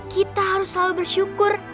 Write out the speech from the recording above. kita harus selalu bersyukur